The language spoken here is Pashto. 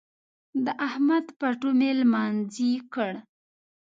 د احمد پټو مې لمانځي کړ.